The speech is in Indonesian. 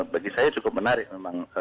bagi saya cukup menarik memang